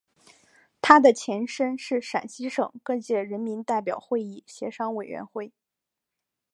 它的前身是陕西省各界人民代表会议协商委员会。